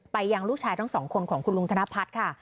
ยังลูกชายทั้งสองคนของคุณลุงธนพัฒน์ค่ะ